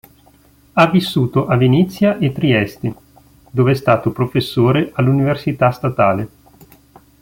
Ha vissuto a Venezia e Trieste, dove è stato professore all'Università statale.